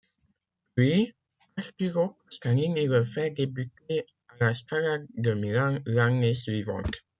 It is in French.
Puis, Arturo Toscanini le fait débuter à la Scala de Milan l'année suivante.